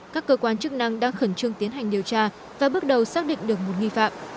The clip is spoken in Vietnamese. các cơ quan chức năng đang khẩn trương tiến hành điều tra và bước đầu xác định được một nghi phạm